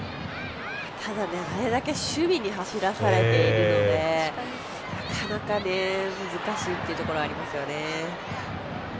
ただ、あれだけ守備に走らされているのでなかなか難しいっていうところがありますよね。